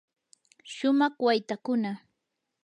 shumaq waytakuna.